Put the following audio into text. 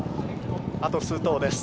あと数頭です。